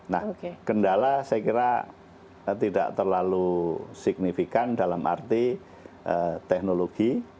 nah kendala saya kira tidak terlalu signifikan dalam arti teknologi